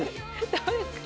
どうですか？